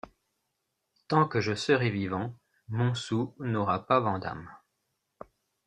Tant que je serai vivant, Montsou n’aura pas Vandame...